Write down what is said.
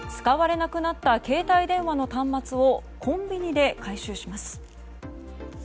使われなくなった携帯電話の端末をコンビニで回収します。